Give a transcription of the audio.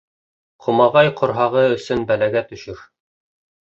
Ҡомағай ҡорһағы өсөн бәләгә төшөр.